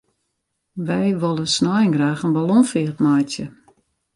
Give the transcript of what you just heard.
Wy wolle snein graach in ballonfeart meitsje.